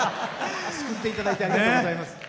救っていただいてありがとうございます。